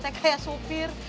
tuhan kayak supir